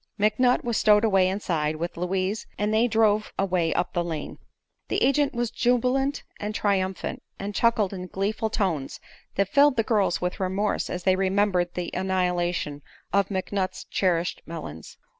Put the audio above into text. McNutt was stowed away inside, with Louise, and they drove away up the lane. The agent was jubilant and triumphant, and chuckled in gleeful tones that thrilled the girls with remorse as they remembered the annihilation of McNutt's cherished melons.